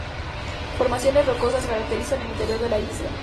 Formaciones rocosas caracterizan el interior de la isla.